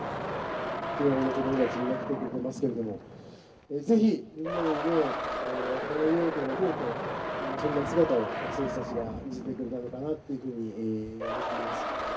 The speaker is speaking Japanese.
栗山の子どもたち、みんな来てくれてますけど、ぜひみんなの夢をかなえようと思うと、そんな姿を選手たちが見せてくれたのかなというふうに思っています。